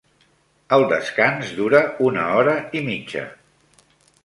El descans dura una hora i mitja.